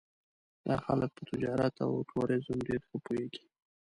دا خلک په تجارت او ټوریزم ډېر ښه پوهېږي.